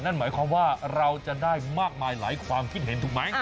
นั่นหมายความว่าเราจะได้มากมายหลายความคิดเห็นถูกไหม